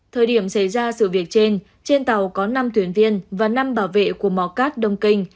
thời điểm xảy ra sự việc trên trên tàu có năm thuyền viên và năm bảo vệ của mò cát đông kinh